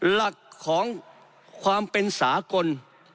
หลักของความเป็นสากล